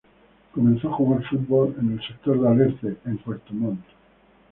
Comenzó a jugar fútbol en el sector de Alerce, en Puerto Montt.